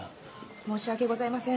申し訳ございません。